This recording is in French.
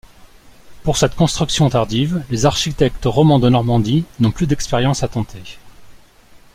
Pour cette construction tardive, les architectes romans de Normandie n'ont plus d'expériences à tenter.